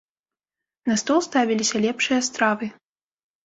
На стол ставіліся лепшыя стравы.